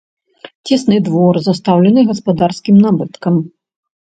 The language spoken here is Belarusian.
Цесны двор, застаўлены гаспадарскім набыткам.